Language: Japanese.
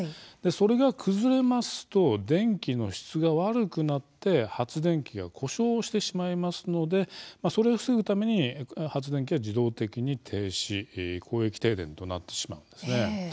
それが崩れますと電気の質が悪くなって発電機が故障してしまいますのでそれを防ぐために発電機が自動的に停止広域停電となってしまうんですね。